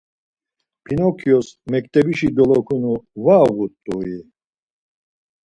Pinokyos mektebişi dolokunu var uğut̆ui?